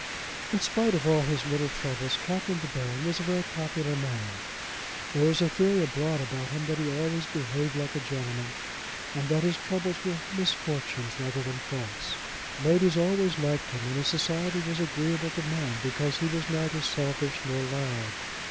In spite of all his little troubles Captain De Baron was a very popular man. There was a theory abroad about him that he always behaved like a gentleman, and that his troubles were misfortunes rather than faults. Ladies always liked him, and his society was agreeable to men because he was neither selfish nor loud.